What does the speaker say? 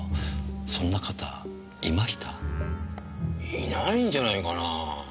いないんじゃないかなぁ。